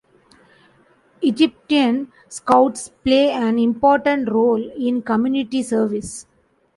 Egyptian Scouts play an important role in community service.